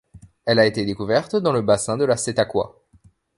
Elle a été découverte dans le bassin de la Setakwa.